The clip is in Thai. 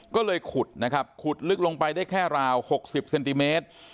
ก็เลยขุดนะครับขุดลึกลงไปได้แค่ราว๖๐เซนติเมตร